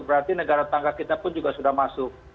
berarti negara tangga kita pun juga sudah masuk